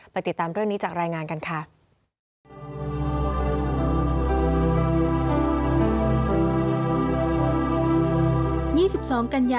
ติดตามเรื่องนี้จากรายงานกันค่ะ